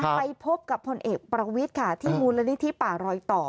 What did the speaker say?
ไปพบกับพลเอกประวิทย์ค่ะที่มูลนิธิป่ารอยต่อ